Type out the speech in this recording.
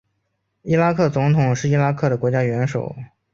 伊拉克总统是伊拉克的国家元首。